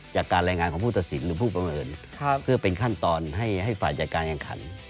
จากการรายงานของผู้ตัดสินหรือผู้ประเมินเพื่อเป็นขั้นตอนให้ฝ่ายจัดการแข่งขัน